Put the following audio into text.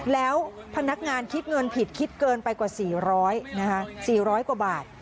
แล้วพนักงานคิดเงินผิดคิดเกินไปกว่า๔๐๐๔๐๐กว่าบาท